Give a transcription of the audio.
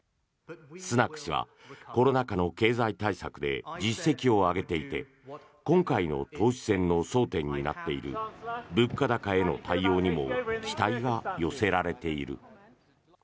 スナク氏はコロナ禍の経済対策で実績を上げていて今回の党首選の争点になっている物価高への対応にも期待が寄せられている。